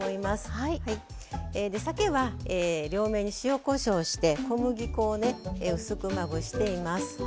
でさけは両面に塩・こしょうして小麦粉をね薄くまぶしています。